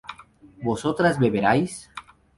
¿vosotras beberíais?